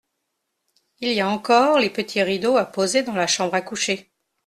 Il y a encore les petits rideaux à poser dans la chambre à coucher.